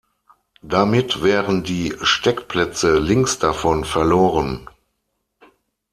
Damit wären die Steckplätze links davon verloren.